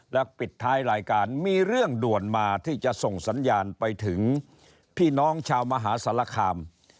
และปิดท้ายรายการมีเรื่องด่วนมาที่จะส่งสัญญาณไปถึงพี่น้องชาวมหาสารคาม